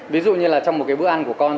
ví dụ như là trong một cái bữa ăn của con